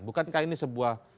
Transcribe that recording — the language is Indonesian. bukankah ini sebuah